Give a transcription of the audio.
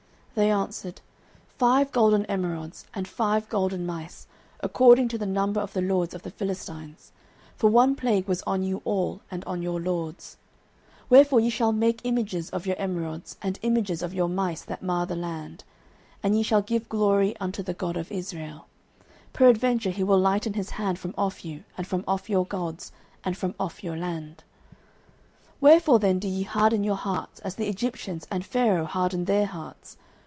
They answered, Five golden emerods, and five golden mice, according to the number of the lords of the Philistines: for one plague was on you all, and on your lords. 09:006:005 Wherefore ye shall make images of your emerods, and images of your mice that mar the land; and ye shall give glory unto the God of Israel: peradventure he will lighten his hand from off you, and from off your gods, and from off your land. 09:006:006 Wherefore then do ye harden your hearts, as the Egyptians and Pharaoh hardened their hearts?